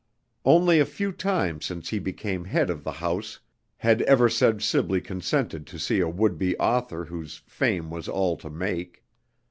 Only a few times since he became head of the house had Eversedge Sibley consented to see a would be author whose fame was all to make.